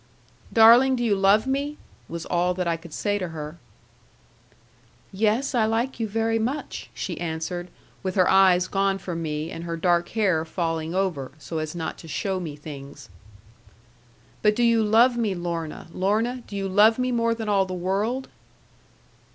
'Darling, do you love me?' was all that I could say to her. 'Yes, I like you very much,' she answered, with her eyes gone from me, and her dark hair falling over, so as not to show me things. 'But do you love me, Lorna, Lorna; do you love me more than all the world?'